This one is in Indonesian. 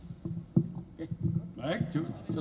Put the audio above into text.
pak mengenai pertemuan pak ahmad ali dengan prabowo